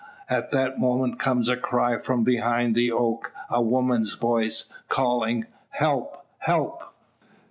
At that moment comes a cry from behind the oak a woman's voice calling "Help! help!"